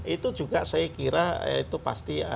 itu juga saya kira itu pasti